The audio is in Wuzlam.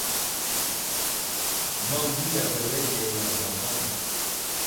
Maŋ gwiyave awerge war zlavaŋ.